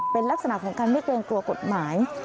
เป็นลักษณะของการไม่เกรงกลัวกฎหมาย